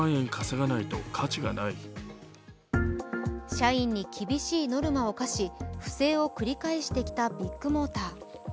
社員に厳しいノルマを課し不正を繰り返してきたビッグモーター。